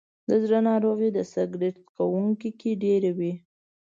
د زړه ناروغۍ د سګرټ څکونکو کې ډېرې وي.